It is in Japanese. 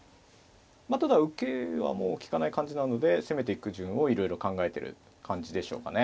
ただ受けはもう利かない感じなので攻めていく順をいろいろ考えてる感じでしょうかね。